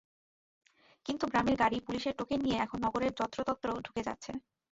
কিন্তু গ্রামের গাড়ি পুলিশের টোকেন নিয়ে এখন নগরের যত্রতত্র ঢুকে যাচ্ছে।